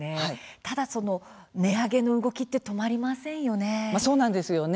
ただその値上げの動きって止まりませんよね。